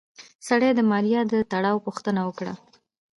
سړي د ماريا د تړاو پوښتنه وکړه.